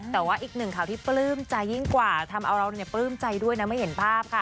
แต่ว่าอีกหนึ่งข่าวที่ปลื้มใจยิ่งกว่าทำเอาเราปลื้มใจด้วยนะไม่เห็นภาพค่ะ